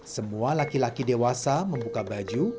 semua laki laki dewasa membuka baju